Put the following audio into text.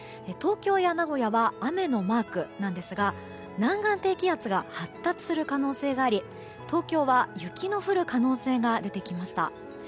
東京や名古屋は雨のマークなんですが南岸低気圧が発達する可能性があり東京は雪の降る可能性が出てきました。